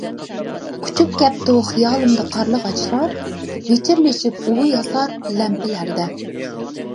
ئۇچۇپ كەپتۇ خىيالىمدا قارلىغاچلار، ۋىچىرلىشىپ ئۇۋا ياسار لەمپىلەردە.